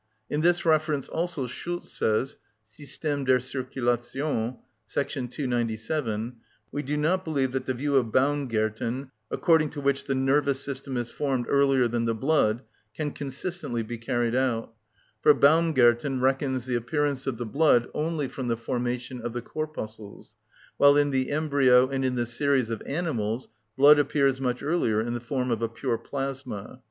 In this reference also Schultz says (System der Circulation, § 297): "We do not believe that the view of Baūmgärten, according to which the nervous system is formed earlier than the blood, can consistently be carried out; for Baūmgärten reckons the appearance of the blood only from the formation of the corpuscles, while in the embryo and in the series of animals blood appears much earlier in the form of a pure plasma."